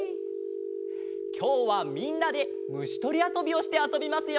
きょうはみんなでむしとりあそびをしてあそびますよ。